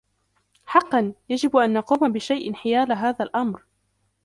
حقا ، يجب أن نقوم بشيء حيال هذا الأمر.